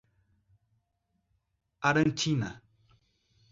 Arantina